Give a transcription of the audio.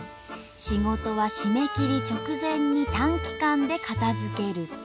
仕事は締め切り直前に短期間で片づけるということらしい。